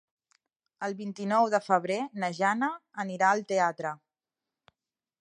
El vint-i-nou de febrer na Jana anirà al teatre.